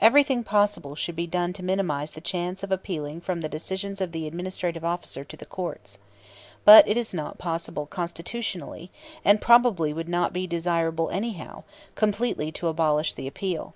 Everything possible should be done to minimize the chance of appealing from the decisions of the administrative officer to the courts. But it is not possible Constitutionally, and probably would not be desirable anyhow, completely to abolish the appeal.